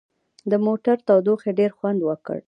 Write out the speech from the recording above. د موټر تودوخې ډېر خوند وکړ.